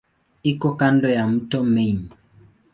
Iko kando ya mto Main.